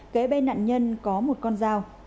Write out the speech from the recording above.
kế bên nạn nhân có một con dao